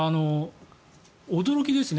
驚きですね。